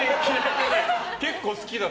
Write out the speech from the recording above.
結構、好きだった。